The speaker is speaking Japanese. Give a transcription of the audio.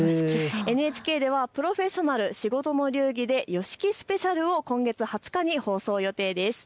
ＮＨＫではプロフェッショナル仕事の流儀でＹＯＳＨＩＫＩスペシャルを今月２０日に放送予定です。